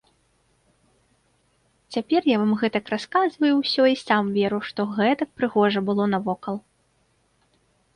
Цяпер я вам гэтак расказваю ўсё і сам веру, што гэтак прыгожа было навокал.